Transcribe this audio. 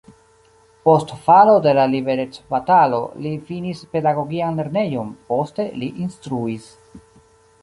Post falo de la liberecbatalo li finis pedagogian lernejon, poste li instruis.